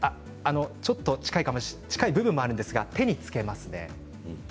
近い部分もあるんですが手につけますね。